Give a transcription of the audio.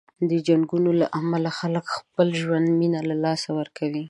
د جنګونو له امله خلک د خپل ژوند مینې له لاسه ورکوي.